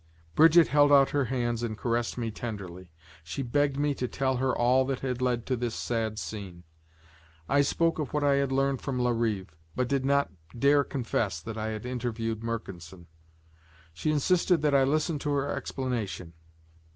Brigitte held out her hands and caressed me tenderly. She begged me to tell her all that had led to this sad scene. I spoke of what I had learned from Larive but did not dare confess that I had interviewed Mercanson. She insisted that I listen to her explanation.